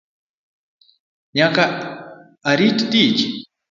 Nyaka arit tich